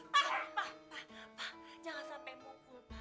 pak pak pak jangan sampai mumpul